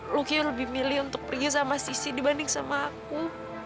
luki lebih milih untuk pergi sama sisi dibanding sama aku